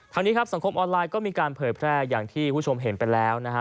นี้ครับสังคมออนไลน์ก็มีการเผยแพร่อย่างที่คุณผู้ชมเห็นไปแล้วนะฮะ